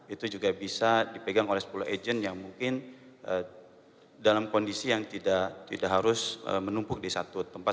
itu juga bisa dipegang oleh sepuluh agent yang mungkin dalam kondisi yang tidak harus menumpuk di satu tempat